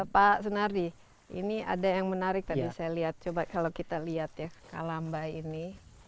pak sunardi ini ada yang menarik tadi saya lihat coba kalau kita lihat ya kalamba ini